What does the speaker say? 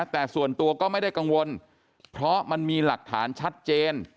แต่ส่วนตัวก็ไม่ได้กังวลเพราะมันมีหลักฐานชัดเจน